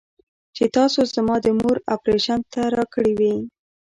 چې تاسو زما د مور اپرېشن ته راكړې وې.